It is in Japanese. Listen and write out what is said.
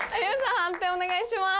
判定お願いします。